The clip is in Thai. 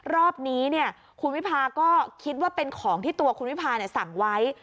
รอบนี้คุณวิพาก็คิดว่าเป็นของที่ตัวคุณวิพาสั่งไว้